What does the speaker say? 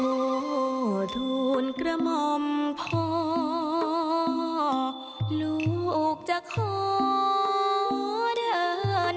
ผู้ทูลกระหม่อมพ่อลูกจะขอเดิน